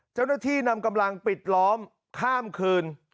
เจ้าหน้าที่นำกำลังปิดล้อมข้ามคืน